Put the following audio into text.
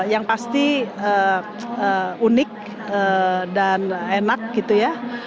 yang pasti unik dan enak gitu ya